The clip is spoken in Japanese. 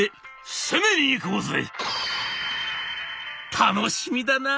「楽しみだな。